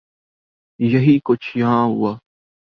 یہی کچھ یہاں ہوا۔